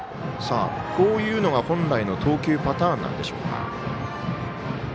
こういうのが本来の投球パターンなんでしょうか。